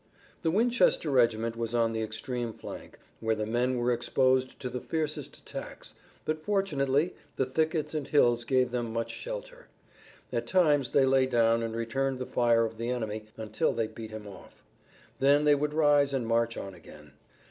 The Winchester regiment was on the extreme flank, where the men were exposed to the fiercest attacks, but fortunately the thickets and hills gave them much shelter. At times they lay down and returned the fire of the enemy until they beat him off. Then they would rise and march on again.